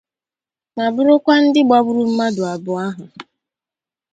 ma bụrụkwa ndị gbagburu mmadụ abụọ ahụ.